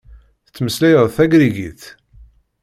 Tettmeslayeḍ tagrigit?